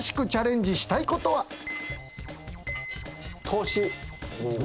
投資。